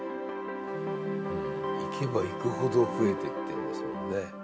行けば行くほど増えてってるんですもんね。